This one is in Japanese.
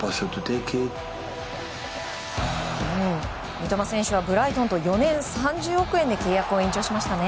三笘選手はブライトンと４年、３０億円で契約を延長しましたね。